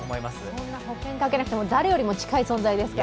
そんな保険かけなくても、誰よりも近い存在ですから。